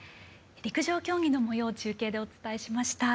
陸上競技のもようを中継でお伝えしました。